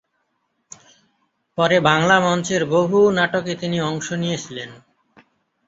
পরে বাংলা মঞ্চের বহু নাটকে তিনি অংশ নিয়েছিলেন।